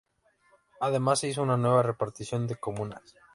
Además se hizo una nueva repartición de comunas.